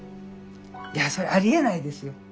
いやそれはありえないですよ